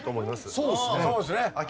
そうですね。